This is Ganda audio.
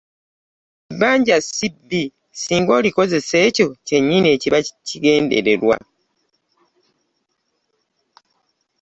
Ebbanja si bbi ssinga olikozesa ekyo kyennyini ekigendererwa.